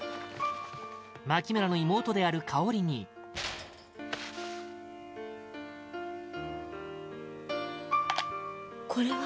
槇村の妹である香に香：これは？